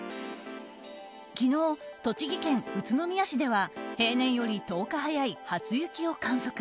昨日、栃木県宇都宮市では平年より１０日早い初雪を観測。